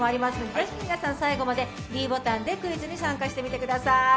ぜひ皆さん、最後までｄボタンでクイズに参加してみてください。